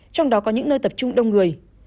trong đó có những nơi tập trung đông người